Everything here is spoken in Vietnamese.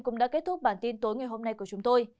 cũng đã kết thúc bản tin tối ngày hôm nay của chúng tôi